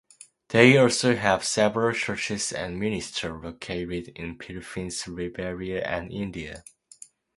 They also have several churches and ministers located in the Philippines, Liberia and India.